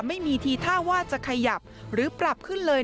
ไม่มีทีท่าว่าจะขยับหรือปรับขึ้นเลย